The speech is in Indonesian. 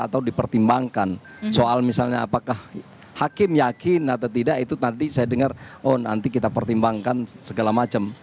atau dipertimbangkan soal misalnya apakah hakim yakin atau tidak itu nanti saya dengar oh nanti kita pertimbangkan segala macam